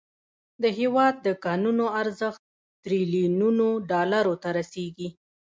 د هیواد د کانونو ارزښت تریلیونونو ډالرو ته رسیږي.